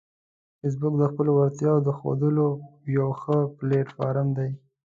فېسبوک د خپلو وړتیاوو د ښودلو یو ښه پلیټ فارم دی